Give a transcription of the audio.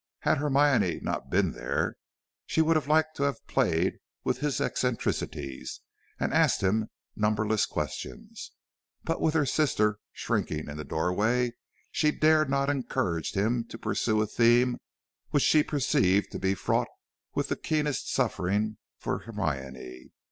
Had Hermione not been there, she would have liked to have played with his eccentricities, and asked him numberless questions. But with her sister shrinking in the doorway, she dared not encourage him to pursue a theme which she perceived to be fraught with the keenest suffering for Hermione.